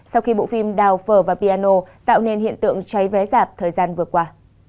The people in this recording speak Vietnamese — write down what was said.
sau khi bộ phim đào phở và piano tạo nên hiện tượng cháy vé dạp thời gian vừa qua